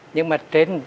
nhưng mà trên